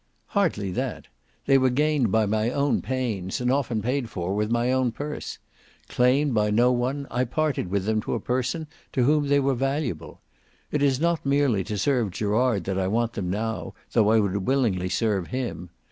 "Hardly that. They were gained by my own pains, and often paid for with my own purse. Claimed by no one, I parted with them to a person to whom they were valuable. It is not merely to serve Gerard that I want them now, though I would willingly serve him.